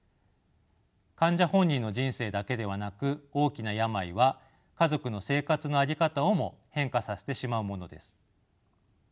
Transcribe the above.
患者本人の人生だけではなく大きな病は家族の生活の在り方をも変化させてしまうものです。